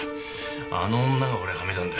あの女が俺をはめたんだ。